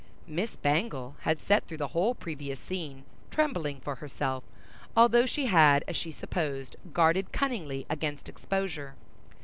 Miss Bangle had sat through the whole previous scene, trembling for herself, although she had, as she supposed, guarded cunningly against exposure.